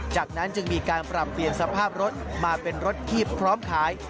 จากนั้นจึงมีการปรับเปลี่ยนสภาพรถมาเป็นรถที่พร้อมขาย